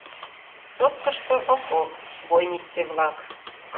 Сопкышто окоп, бойнице-влак.